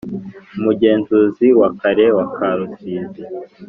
Umugenzuzi w akarere wa ka rusizi